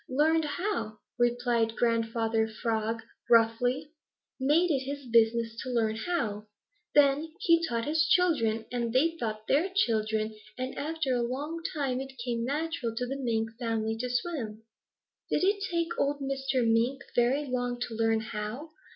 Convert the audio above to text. "Learned how," replied Grandfather Frog gruffly. "Made it his business to learn how. Then he taught his children, and they taught their children, and after a long time it came natural to the Mink family to swim." "Did it take old Mr. Mink very long to learn how?"